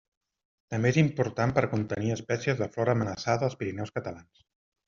També és important per contenir espècies de flora amenaçada als Pirineus catalans.